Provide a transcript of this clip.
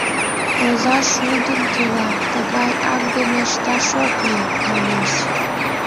«Оза шулдын тӱла, тыгай ак дене ышташ ок лий!» манеш.